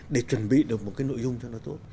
để chuẩn bị được một cái nội dung cho nó tốt